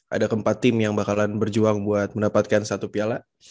ada keempat tim yang bakalan berjuang buat mendapatkan satu piala